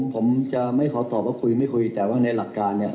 ผมจะไม่ขอตอบว่าคุยไม่คุยแต่ว่าในหลักการเนี่ย